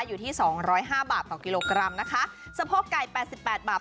อยู่ที่สองร้อยห้าบาทต่อกิโลกรัมนะคะสะโพกไก่แปดสิบแปดบาท